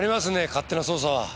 勝手な捜査は。